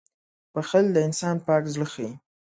• بښل د انسان پاک زړه ښيي.